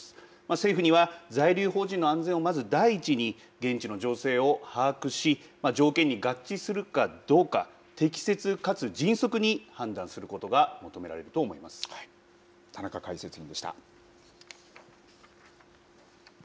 政府には在留邦人の安全をまず第一に現地の情勢を把握し条件に合致するかどうか適切、かつ迅速に判断することがはい、田中解説委員でした。